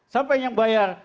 sampai yang bayar